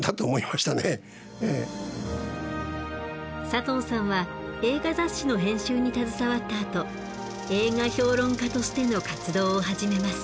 佐藤さんは映画雑誌の編集に携わったあと映画評論家としての活動を始めます。